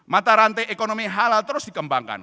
mata rantai ekonomi halal terus dikembangkan